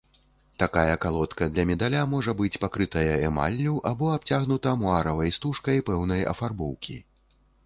Такая калодка для медаля можа быць пакрытая эмаллю, або абцягнута муаравай стужкай пэўнай афарбоўкі.